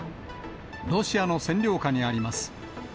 ロシアの占領下にあります。